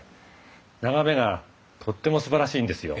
眺めがとってもすばらしいんですよ。